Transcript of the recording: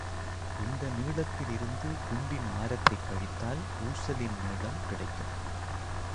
இந்த நீளத்தில் இருந்து குண்டின் ஆரத்தைக் கழித்தால் ஊசலின் நீளம் கிடைக்கும்.